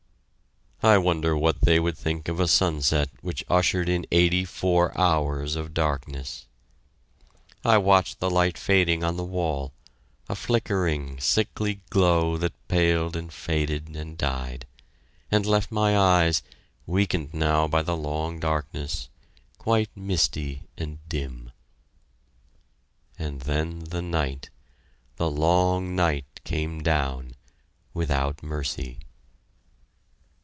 I wonder what they would think of a sunset which ushered in eighty four hours of darkness!... I watched the light fading on the wall, a flickering, sickly glow that paled and faded and died, and left my eyes, weakened now by the long darkness, quite misty and dim. And then the night, the long night came down, without mercy.